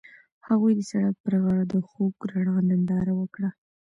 هغوی د سړک پر غاړه د خوږ رڼا ننداره وکړه.